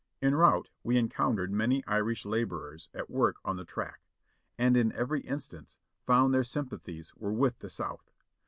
En route we encountered many Irish laborers at work on the track, and in every instance found their sympathies were with the South.